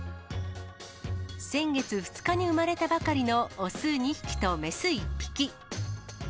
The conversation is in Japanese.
先月２日に産まれたばかりの雄２匹と雌１匹。